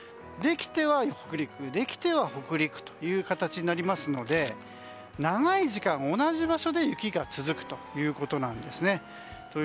できては北陸、できては北陸という形になりますので長い時間、同じ場所で雪が続くということなんですね。